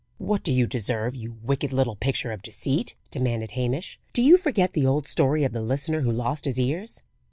"What do you deserve, you wicked little picture of deceit?" demanded Hamish. "Do you forget the old story of the listener who lost his ears?"